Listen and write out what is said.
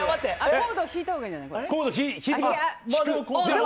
コード、引いたほうがいいんじゃない？